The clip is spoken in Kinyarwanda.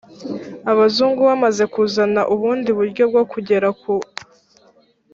abazungu bamaze kuzana ubundi buryo bwo kugera ku